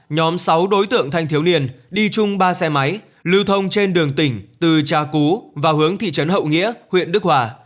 nhóm sáu đối tượng thanh thiếu niên đi chung ba xe máy lưu thông trên đường tỉnh từ trà cú và hướng thị trấn hậu nghĩa huyện đức hòa